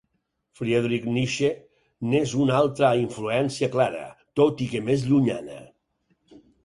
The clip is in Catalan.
Friedrich Nietzsche n'és una altra influència clara, tot i que més llunyana.